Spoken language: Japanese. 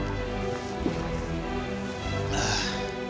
ああ！